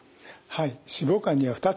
はい。